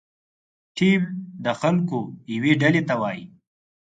ټیم د خلکو یوې ډلې ته وایي.